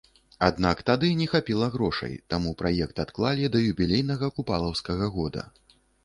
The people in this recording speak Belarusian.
Аднак тады не хапіла грошай, таму праект адклалі да юбілейнага купалаўскага года.